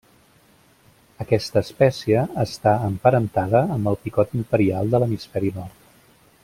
Aquesta espècie està emparentada amb el picot imperial de l'hemisferi nord.